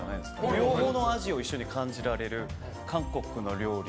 両方の味を一緒に感じられる韓国の料理